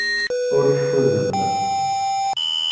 Ur teffudem.